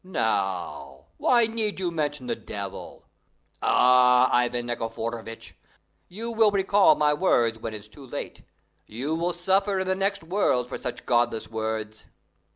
"Now, why need you mention the devil! Ah, Ivan Nikiforovitch! you will recall my words when it's too late. You will suffer in the next world for such godless words."